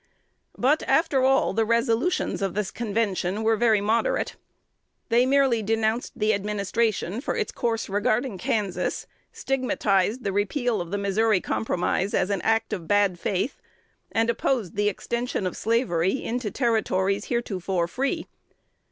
But, after all, the resolutions of the convention were very "moderate." They merely denounced the administration for its course regarding Kansas, stigmatized the repeal of the Missouri Compromise as an act of bad faith, and opposed "the extension of slavery into Territories heretofore free."